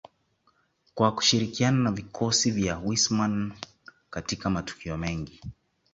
kwa kushirikiana na vikosi vya Wissmann katika matukio mengi